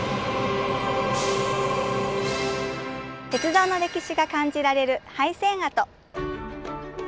鉄道の歴史が感じられる廃線跡。